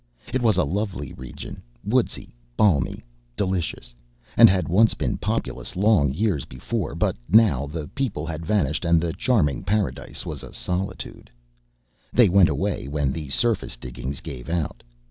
It was a lovely region, woodsy, balmy, delicious, and had once been populous, long years before, but now the people had vanished and the charming paradise was a solitude. They went away when the surface diggings gave out.